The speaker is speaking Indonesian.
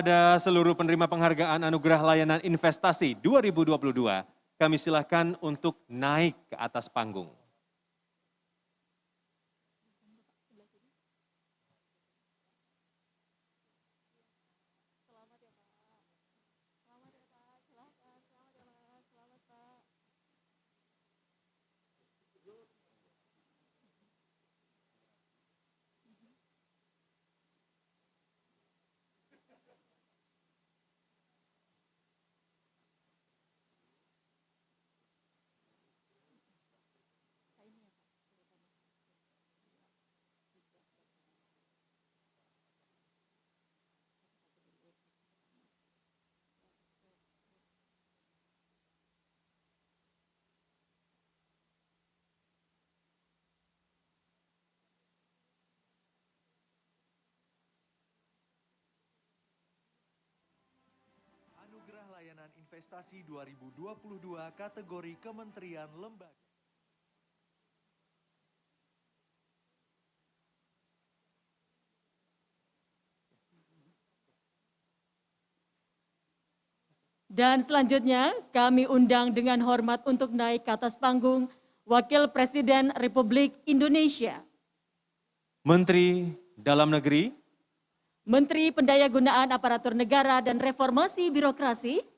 anugerah layanan investasi dua ribu dua puluh dua kategori kementerian lembaga